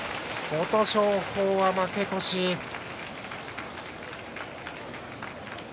琴勝峰は負け越しです。